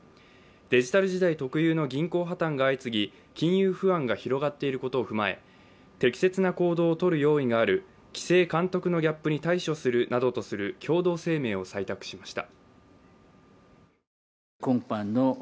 デジタル時代特有の銀行破綻が相次ぎ金融不安が広がっていることを踏まえ、適切な行動を取る用意がある規制・監督のギャップに対処するなどとする共同声明を採択しました。